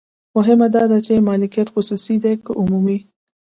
مهمه دا ده چې مالکیت خصوصي دی که عمومي.